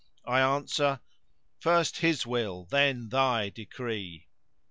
* I answer, 'first His will then Thy decree!'